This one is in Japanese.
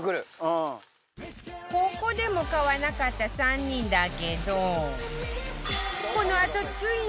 ここでも買わなかった３人だけどこのあとついに！